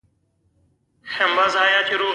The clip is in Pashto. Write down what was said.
نړیوال ادب او کیسه بېخي بل بحث دی.